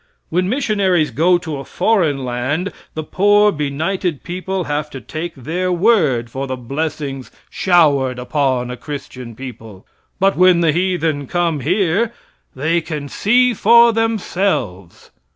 When missionaries go to a foreign land, the poor, benighted people have to take their word for the blessings showered upon a Christian people; but when the heathen come here, they can see for themselves.